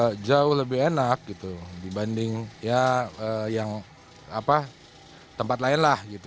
saya tahu lebih enak dibanding tempat lain